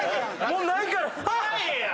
もうないから。